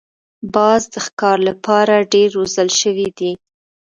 باز د ښکار لپاره ډېر روزل شوی دی